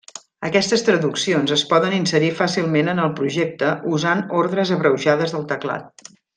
Aquestes traduccions es poden inserir fàcilment en el projecte usant ordes abreujades del teclat.